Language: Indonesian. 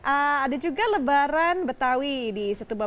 ada juga lebaran betawi di situbondo